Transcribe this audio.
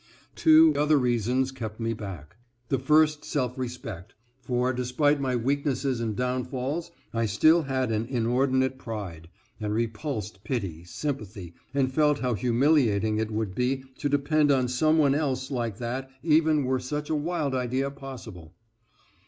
Two other reasons kept me back, the first self respect; for despite my weaknesses and downfalls, I still had an inordinate pride, and repulsed pity, sympathy, and felt how humiliating it would be to depend on some one else like that even were such a wild idea possible.